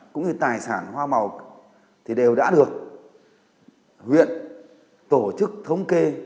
cũng như tài sản hoa màu thì đều đã được huyện tổ chức thống kê